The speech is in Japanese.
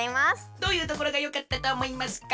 どういうところがよかったとおもいますか？